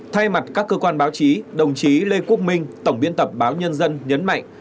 thay mặt các cơ quan báo chí đồng chí lê quốc minh tổng biên tập báo nhân dân nhấn mạnh